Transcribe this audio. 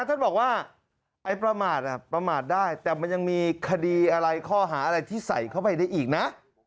ท่านบอกว่าไอ้ประมาทประมาทได้แต่มันยังมีคดีอะไรข้อหาอะไรที่ใส่เข้าไปได้อีกนะ